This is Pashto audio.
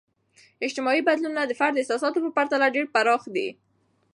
اجتماعي بدلونونه د فرد احساساتو په پرتله ډیر پراخ دي.